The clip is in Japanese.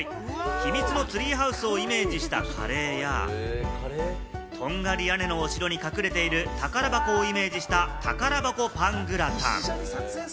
ひみつのツリーハウスをイメージしたカレーや、とんがり屋根のお城に隠れている宝箱をイメージした宝箱パングラタン。